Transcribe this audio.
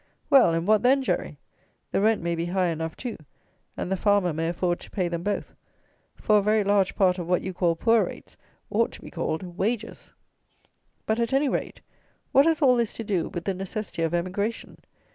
Well: and what then, Jerry? The rent may be high enough too, and the farmer may afford to pay them both; for a very large part of what you call poor rates ought to be called wages. But, at any rate, what has all this to do with the necessity of emigration?